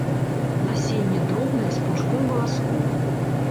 Насенне дробнае з пучком валаскоў.